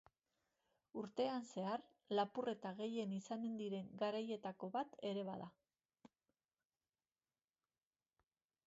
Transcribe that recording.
Urtean zehar lapurreta gehien izaten diren garaietako bat ere bada.